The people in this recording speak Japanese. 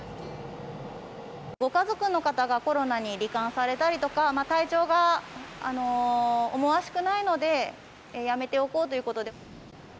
ご家族の方がコロナにり患されたりとか、体調が思わしくないのでやめておこうということで。